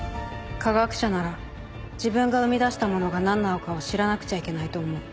科学者なら自分が生み出したものが何なのかを知らなくちゃいけないと思う。